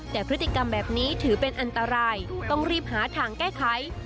แต่พฤติกรรมแบบนี้ถือเป็นอันตรายต้องรีบหาทางแก้ไข